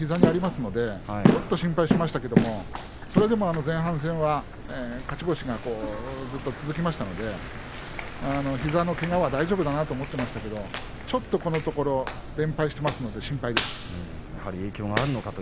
私も大きなサポーターが膝にありますので、ちょっと心配しましたけどもそれでも前半戦は勝ち越しがずっと続きましたんで膝のけがは大丈夫かなと思っていましたけれどもちょっとこのところ連敗していますから心配です。